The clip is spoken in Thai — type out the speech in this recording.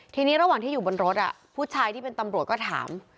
ทีนี้ระหว่างที่อยู่บนรถผู้ชายที่เป็นตำรวจก็ถาม